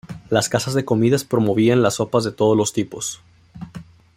Las casas de comidas promovían las sopas de todos los tipos.